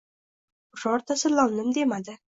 Birontasi lom-mim demadi.